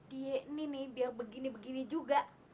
dia ini nih biar begini begini juga